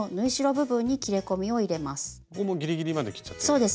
ここもギリギリまで切っちゃっていいんですか？